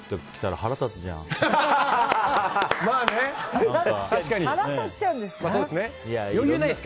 腹立っちゃうんですか。